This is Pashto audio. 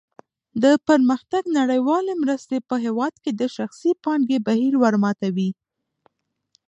د پرمختګ نړیوالې مرستې په هېواد کې د شخصي پانګې بهیر ورماتوي.